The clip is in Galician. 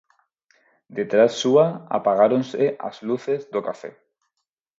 Detrás súa apagáronse as luces do café.